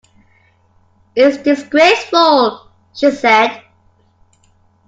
"It's disgraceful," she said.